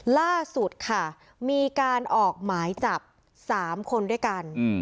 ล่าสุดค่ะมีการออกหมายจับ๓คนด้วยกัน